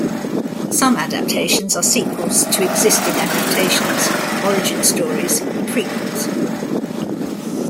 Some adaptations are sequels to existing adaptations, origin stories and prequels.